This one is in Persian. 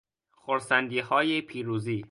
خرسندیهای پیروزی